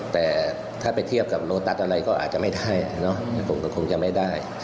แต่ถ้าไปเทียบกับโลตัสอะไรก็อาจจะไม่ได้ผมก็คงจะไม่ได้